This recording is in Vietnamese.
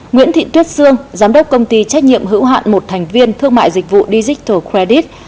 nguyễn thị tuyết sương giám đốc công ty trách nhiệm hữu hạn một thành viên thương mại dịch vụ digital credit